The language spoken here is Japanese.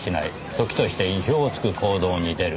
時として意表をつく行動に出る。